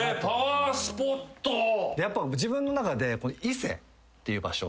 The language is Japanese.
やっぱ自分の中で。っていう場所。